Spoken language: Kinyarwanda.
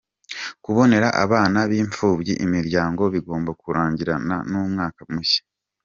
Kubonera abana b’imfubyi imiryango bigomba kurangirana n’umwaka mushya